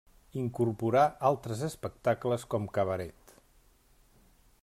Incorporà altres espectacles com cabaret.